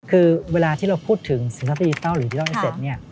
คือเวลาที่เราพูดถึงสินทรัพย์ดิจิทัลหรือดิจิทัลอินเซ็ต